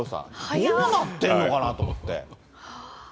どうなってんのかなと思って。